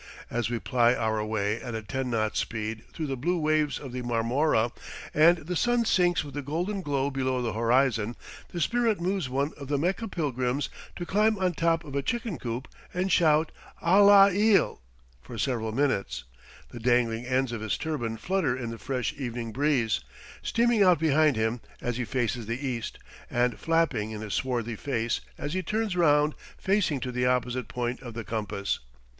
As we ply our way at a ten knot speed through the blue waves of the Marmora, and the sun sinks with a golden glow below the horizon, the spirit moves one of the Mecca pilgrims to climb on top of a chicken coop and shout "Allah il!" for several minutes; the dangling ends of his turban flutter in the fresh evening breeze, streaming out behind him as he faces the east, and flapping in his swarthy face as he turns round facing to the opposite point of the compass.